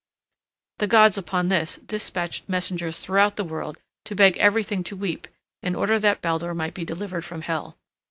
The gods upon this despatched messengers throughout the world to beg everything to weep in order that Baldur might be delivered from Hel.